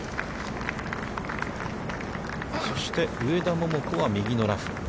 そして上田桃子は右のラフ。